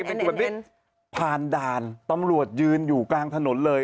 ผ่านดารสมัสลงอ้ะตำรวจยืนอยู่กลางถนนเลย